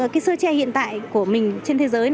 cái sơ tre hiện tại của mình trên thế giới